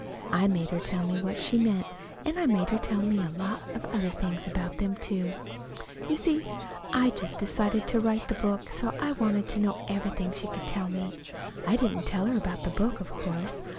I made her tell me what she meant, and I made her tell me a lot of other things about them, too. You see, I'd just decided to write the book, so I wanted to know everything she could tell me. I didn't tell her about the book, of course.